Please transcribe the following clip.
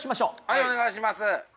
はいお願いします！